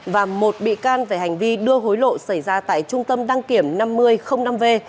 và một bị can về hành vi đưa hối lộ xảy ra tại trung tâm đăng kiểm năm mươi năm v